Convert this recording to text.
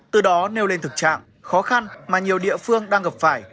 từ đó nêu lên thực trạng khó khăn mà nhiều địa phương đang gặp phải